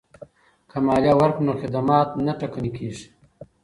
که مالیه ورکړو نو خدمات نه ټکنی کیږي.